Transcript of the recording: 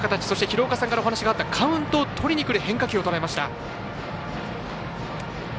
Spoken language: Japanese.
そして廣岡さんからお話があったカウントをとりにくる変化球をとらえました。